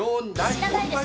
知らないでしょ